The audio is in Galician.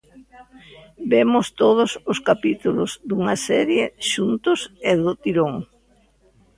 Vemos todos os capítulos dunha serie xuntos e do tirón.